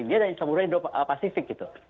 dia dari samudera indo pasifik gitu